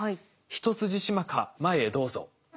ヒトスジシマカ前へどうぞ。